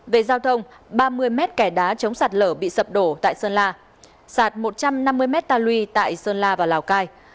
về giao thông ba mươi mét kẻ đá chống sạt lở bị sập đổ tại sơn la sạt một trăm năm mươi m ta lui tại sơn la và lào cai